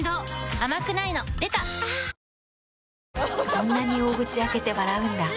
そんなに大口開けて笑うんだ。